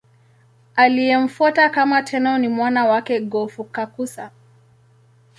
Aliyemfuata kama Tenno ni mwana wake Go-Fukakusa.